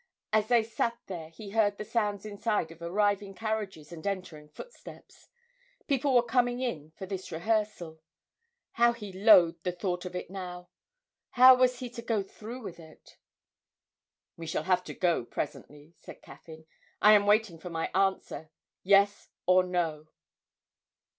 As they sat there he heard the sounds outside of arriving carriages and entering footsteps; people were coming in for this rehearsal. How he loathed the thought of it now! How was he to go through it? 'We shall have to go presently,' said Caffyn. 'I am waiting for my answer yes or no?'